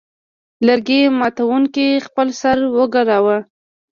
لرګي ماتوونکي خپل سر وګراوه.